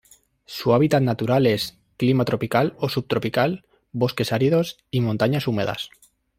Su hábitat natural es: Clima tropical o subtropical, bosques áridos, y montañas húmedas.